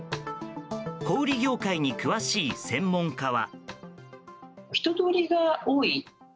小売業界に詳しい専門家は。